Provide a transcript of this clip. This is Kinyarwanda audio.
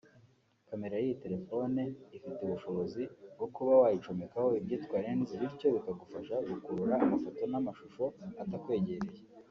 Camera y’iyi telefone ifite ubushobozi bwo kuba wayicomekaho ibyitwa “Lens” bityo bikagufasha gukurura amafoto n’amashusho atakwegereye